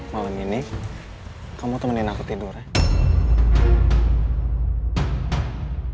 malam ini kamu temenin aku tidur ya